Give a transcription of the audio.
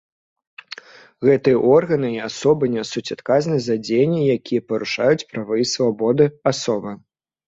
Гэтыя органы і асобы нясуць адказнасць за дзеянні, якія парушаюць правы і свабоды асобы.